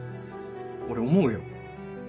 俺思うよ。